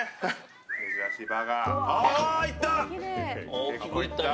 大きくいったよ。